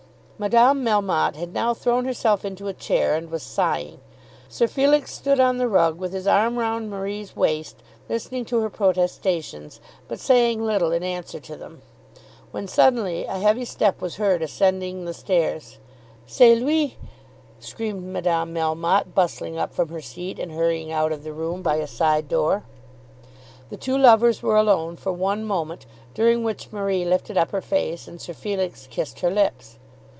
Madame Melmotte had now thrown herself into a chair and was sighing. Sir Felix stood on the rug with his arm round Marie's waist, listening to her protestations, but saying little in answer to them, when, suddenly, a heavy step was heard ascending the stairs. "C'est lui," screamed Madame Melmotte, bustling up from her seat and hurrying out of the room by a side door. The two lovers were alone for one moment, during which Marie lifted up her face, and Sir Felix kissed her lips.